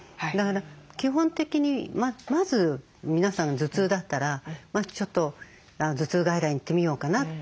だから基本的にまず皆さん頭痛だったらちょっと頭痛外来行ってみようかな。